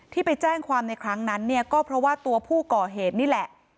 ที่ไปแจ้งความในครั้งนั้นเนี่ยก็เพราะว่าตัวผู้ก่อเหตุนี่แหละ